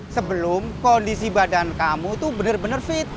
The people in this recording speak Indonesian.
sebelum kondisi badan kamu tuh bener bener fit